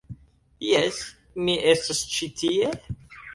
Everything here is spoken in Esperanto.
Jes, mi estas ĉi tie